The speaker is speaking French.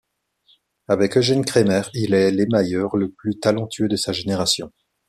Avec Eugène Kremer, il est l'émailleur le plus talentueux de sa génération.